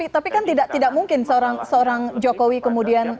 tapi kan tidak mungkin seorang jokowi kemudian